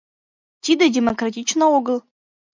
Тиде демократично огыл!